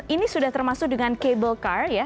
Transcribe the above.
ini sudah termasuk dengan cable car ya